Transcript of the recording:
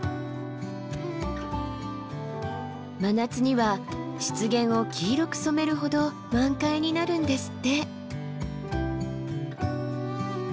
真夏には湿原を黄色く染めるほど満開になるんですって。